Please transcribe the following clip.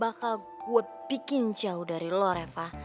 bakal gue bikin jauh dari lo reva